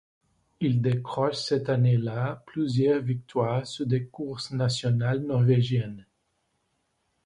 Il décroche cette année-là plusieurs victoires sur des courses nationales norvégiennes.